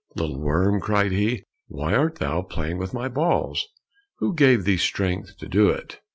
"Little worm," cried he, "why art thou playing with my balls? Who gave thee strength to do it?"